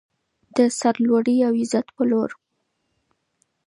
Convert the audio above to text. د سرلوړۍ او عزت په لور.